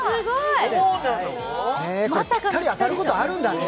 これ、ぴったり当たることあるんだね。